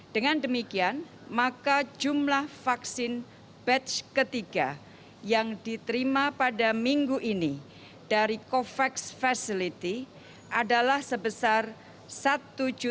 dengan demikian maka jumlah vaksin batch ketiga yang diterima pada minggu ini dari covax facility adalah sebesar satu empat ratus empat puluh empat sembilan ratus dosis vaksin jadi astrazeneca